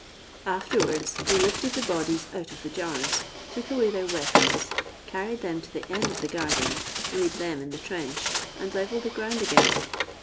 Afterwards they lifted the bodies out of the jars, took away their weapons, carried them to the end of the garden, laid them in the trench, and levelled the ground again.